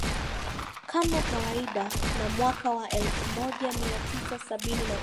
Kama kawaida na mwaka wa elfu moja mia tisa sabini na tano